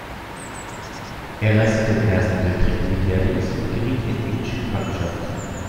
Er leistete im Ersten Weltkrieg Militärdienst und geriet in englische Gefangenschaft.